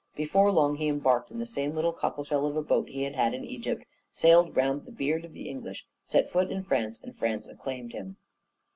Before long he embarked in the same little cockleshell of a boat he had had in Egypt, sailed round the beard of the English, set foot in France, and France acclaimed him.